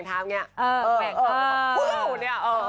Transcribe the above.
พูด